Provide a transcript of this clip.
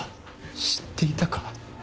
知っていたか？